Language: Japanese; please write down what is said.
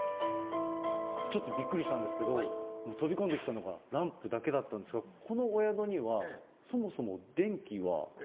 ちょっとびっくりしたんですけど、飛び込んできたのがランプだけだったんですが、このお宿にはそもそも電気は？